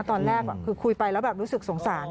ตอนแรกคือคุยไปแล้วแบบรู้สึกสงสาร